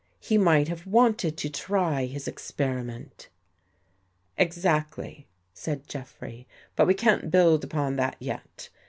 He might have wanted to try his ex periment." " Exactly," said Jeffrey. " But we can't build upon that yet.